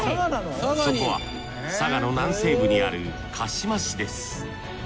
そこは佐賀の南西部にある鹿島市です。